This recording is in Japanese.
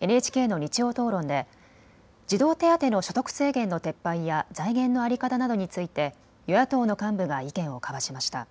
ＮＨＫの日曜討論で児童手当の所得制限の撤廃や財源の在り方などについて与野党の幹部が意見を交わしました。